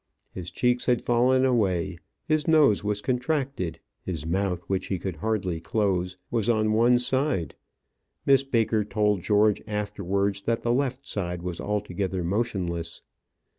His cheeks had fallen away; his nose was contracted; his mouth, which he could hardly close, was on one side. Miss Baker told George afterwards that the left side was altogether motionless.